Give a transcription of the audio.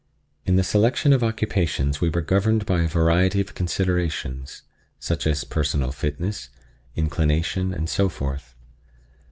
In the selection of occupations we were governed by a variety of considerations, such as personal fitness, inclination, and so forth.